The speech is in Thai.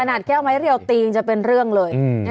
ประหนักแก้วไม้เรียวตีงจะเป็นเรื่องเลย